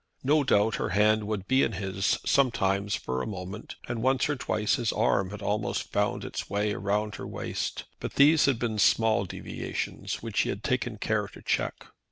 No doubt her hand would be in his sometimes for a moment, and once or twice his arm had almost found its way round her waist. But these had been small deviations, which he had taken care to check.